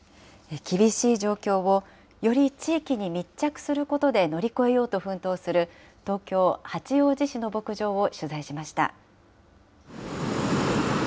厳しい状況をより地域に密着することで乗り越えようと奮闘する、東京・八王子市の牧場を取材しました。